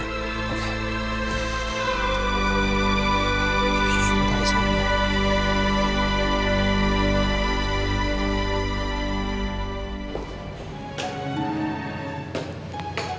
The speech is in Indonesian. susah banget aja soalnya